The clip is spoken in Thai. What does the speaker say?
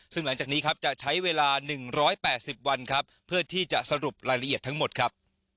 ซึ่งหลังจากนี้ครับจะใช้เวลา๑๘๐วันครับเพื่อที่จะสรุปรายละเอียดทั้งหมดครับ